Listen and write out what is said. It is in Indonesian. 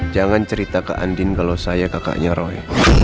jangan cerita ke andin kalau saya kakaknya roy